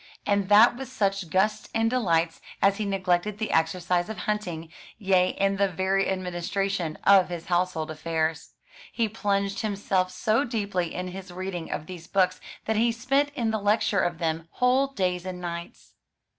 And that with such gusts and delights, as he neglected the exercise of hunting; yea and the very administration of his household affairs. He plunged himself so deeply in his reading of these books that he spent in the lecture of them whole days and nights.